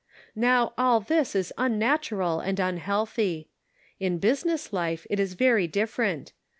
Now, all this is unnat ural and unhealthy. In business life it is very different.